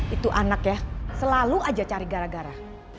itu anak ya selalu aja cari gara gara